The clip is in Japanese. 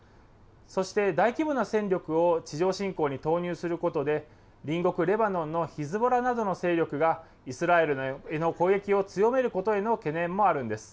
そして大規模な戦力を地上侵攻に投入することで、隣国、レバノンのヒズボラなどの勢力が、イスラエルへの攻撃を強めることへの懸念もあるんです。